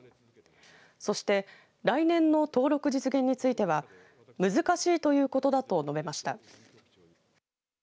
そして来年の登録実現については難しいということだと述べました。